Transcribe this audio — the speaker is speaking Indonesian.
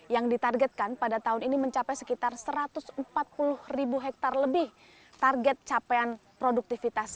yang ditargetkan pada tahun ini mencapai sekitar satu ratus empat puluh ribu hektare lebih target capaian produktivitas